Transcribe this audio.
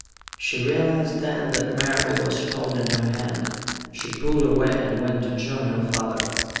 She realized then that Marable was holding her hand. She pulled away and went to join her father.